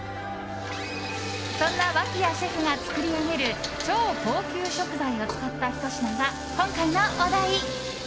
そんな脇屋シェフが作り上げる超高級食材を使ったひと品が今回のお題。